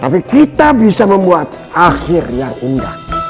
tapi kita bisa membuat akhir yang indah